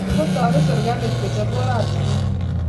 ngo taret serikalit kochop oratinwek